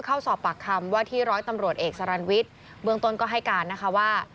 เข้าสอบปากคำว่าที่ร้อยตำรวจเอกสารันวิทย์เบื้องต้นก็ให้การนะคะว่า